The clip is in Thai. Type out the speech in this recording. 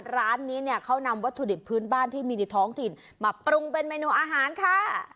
ร้านนี้เนี่ยเขานำวัตถุดิบพื้นบ้านที่มีในท้องถิ่นมาปรุงเป็นเมนูอาหารค่ะ